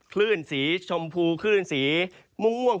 คลื่นสีชมพูคลื่นสีม่วง